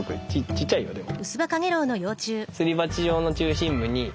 ちっちゃいよでも。